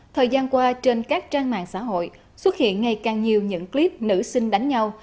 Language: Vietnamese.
thời gian qua trên các trang mạng xã hội xuất hiện ngày càng nhiều những clip nữ sinh đánh nhau